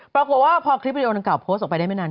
ปรากฏว่าพอคลิปวิดีโอดังกล่าโพสต์ออกไปได้ไม่นาน